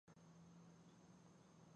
علامه حبيبي د منطقي استدلال مهارت درلود.